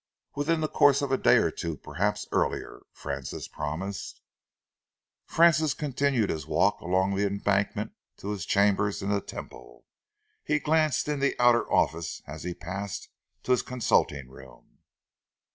"Within the course of a day or two, perhaps earlier," Francis promised. Francis continued his walk along the Embankment to his chambers in the Temple. He glanced in the outer office as he passed to his consulting room.